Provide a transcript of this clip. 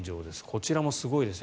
こちらもすごいです。